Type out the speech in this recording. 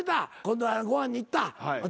今度はご飯に行った。